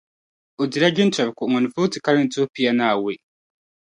O di la jintɔri kuɣu ŋɔ ni vooti kalinli tuhi pia ni awɔi.